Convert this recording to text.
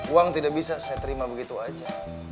uang tidak bisa saya terima begitu saja